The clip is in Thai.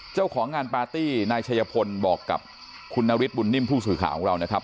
เจ้าของงานปาร์ตี้นายชัยพลบอกกับคุณนฤทธบุญนิ่มผู้สื่อข่าวของเรานะครับ